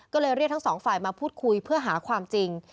ก็เลยเรียกทั้งสองฝ่ายมาพูดคุยเพื่อหาความจริง